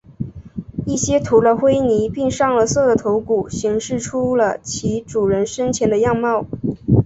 一些涂了灰泥并上了色的头骨显示出了其主人生前的样貌。